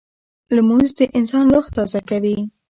لمونځ د انسان روح تازه کوي